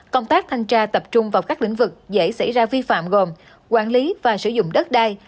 công tác thanh tra tập trung vào các lĩnh vực dễ xảy ra vi phạm gồm quản lý và sử dụng đất đai